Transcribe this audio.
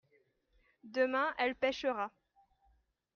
demain elle pêchera.